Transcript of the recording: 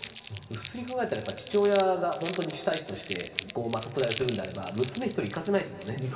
普通に考えたら父親が本当に主体として殺人をするのであれば娘１人で行かせないですもんね。